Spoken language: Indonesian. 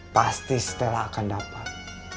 pasti stella akan dapat